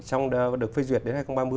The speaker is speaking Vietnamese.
trong được phê duyệt đến hai nghìn ba mươi